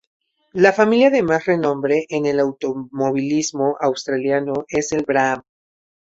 La familia de más renombre en el automovilismo australiano es la Brabham.